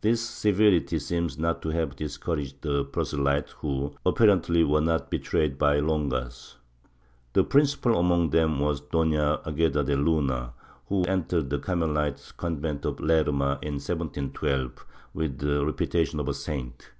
This severity seems not to have discom^aged the proselytes who, apparently, were not betrayed by Longas. The principal among them was Doiia Agueda de Luna, who had entered the Carmelite convent of Lerma in 1712, with the reputation of a saint.